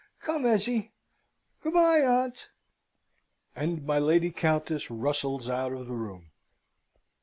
Come, Ezzy. Good bye, aunt!" And my lady Countess rustles out of the room.